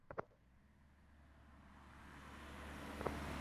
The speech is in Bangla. Success Balu, sir.